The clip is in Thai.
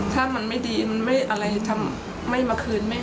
ถ้ามันไม่ดีมันไม่อะไรไม่มาคืน